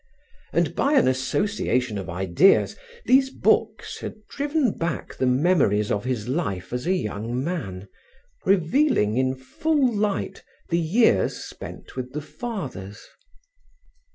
And by an association of ideas, these books had driven back the memories of his life as a young man, revealing in full light the years spent with the Fathers.